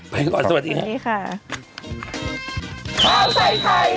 ไปก่อนสวัสดีครับ